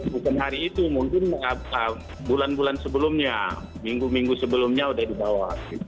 bukan hari itu mungkin bulan bulan sebelumnya minggu minggu sebelumnya sudah dibawa